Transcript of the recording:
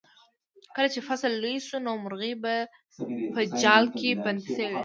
کله چې فصل لوی شو نو مرغۍ په جال کې بندې شوې.